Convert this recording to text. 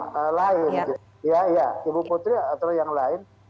kalau kasus ini mendapatkan konfirmasi saksi